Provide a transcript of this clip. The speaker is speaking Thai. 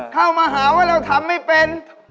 เข้ามาหาว่าเราทำไม่เป็น